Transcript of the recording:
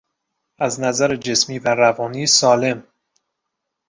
از نظر جسمی و روانی سالم